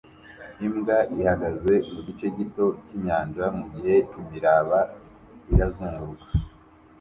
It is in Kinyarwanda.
Imbwa ihagaze mu gice gito cy'inyanja mugihe imiraba irazunguruka